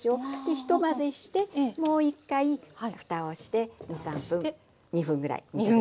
ひと混ぜしてもう一回ふたをして２３分２分ぐらい煮て下さい。